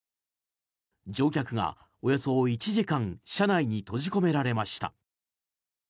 乗客がおよそ１時間車内に閉じ込められました。